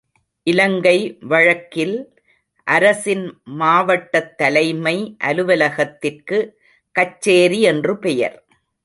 இலங்கை வழக்கில் அரசின் மாவட்டத் தலைமை அலுவலகத்திற்கு கச்சேரி என்று பெயர்